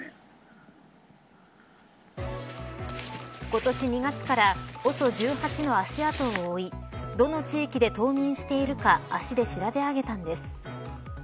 今年２月からＯＳＯ１８の足跡を追いどの地域で冬眠しているか足で調べ上げたんです。